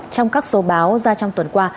trong các số báo ra trong tuần qua